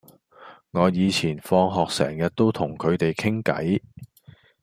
我以前放學成日都同佢哋傾偈